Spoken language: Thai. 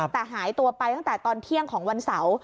แต่หายตัวไปตั้งแต่ตอนเที่ยงของวันเสาร์